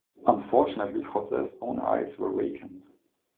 Unfortunately, Jose's own eyes were vacant.